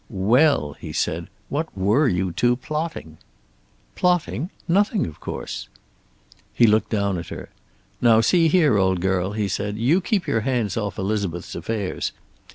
"Well?" he said. "What were you two plotting?" "Plotting? Nothing, of course." He looked down at her. "Now see here, old girl," he said, "you keep your hands off Elizabeth's affairs.